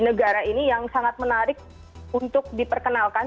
negara ini yang sangat menarik untuk diperkenalkan